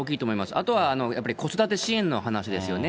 あとはやっぱり子育て支援の話ですよね。